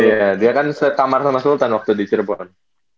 iya dia kan sekamar sama sultan waktu di cirebon